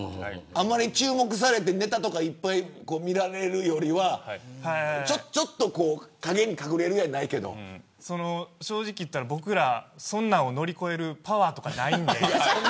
あんまり注目されてネタとかいっぱい見られるよりはその正直言ったら僕ら、そんなんを乗り越えるパワーとかないんで。